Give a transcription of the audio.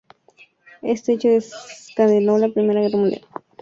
Este hecho desencadenó la Primera Guerra Mundial.